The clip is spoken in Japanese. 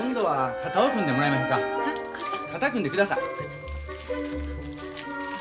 肩組んでください。